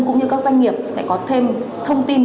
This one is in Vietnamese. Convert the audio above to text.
cũng như các doanh nghiệp sẽ có thêm thông tin